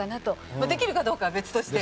まあできるかどうかは別として。